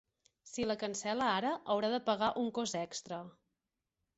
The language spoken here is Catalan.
Si la cancel·la ara haurà de pagar un cost extra.